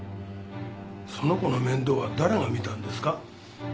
その子の面倒は誰が見たんですか？